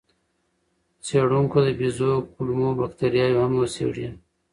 څېړونکو د بیزو کولمو بکتریاوې هم وڅېړې.